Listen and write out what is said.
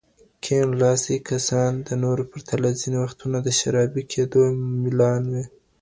کیڼ لاسي کسان د نورو په پرتله ځینې وختونه د شرابي کېدو میلان لري.